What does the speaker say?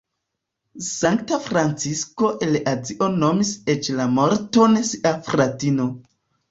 Sankta Francisko el Asizo nomis eĉ la morton "sia fratino".